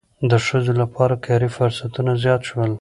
د ښځو لپاره کاري فرصتونه زیات شول.